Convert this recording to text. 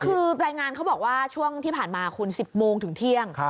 คือรายงานเขาบอกว่าช่วงที่ผ่านมาคุณ๑๐โมงถึงเที่ยง